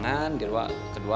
kedua ada ruang perhubungan